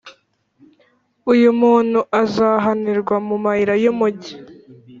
Uwo muntu azahanirwa mu mayira y’umugi,